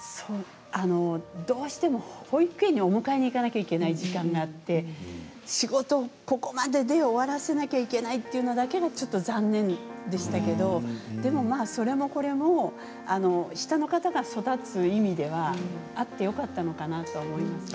どうしても保育園にお迎えに行かなければいけない時間があって、仕事をここまでで終わらせなきゃいけないっていうのだけがちょっと残念でしたけどでも、まあ、それもこれも下の方が育つ意味ではあってよかったのかなと思います。